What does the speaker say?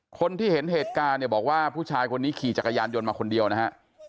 คนที่เห็นเหตุการณ์เนี่ยบอกว่าผู้ชายคนนี้ขี่จักรยานยนต์มาคนเดียวนะฮะ